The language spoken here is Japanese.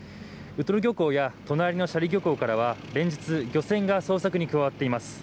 ウトロ漁港や隣の斜里漁港から連日漁船が捜索に加わっています。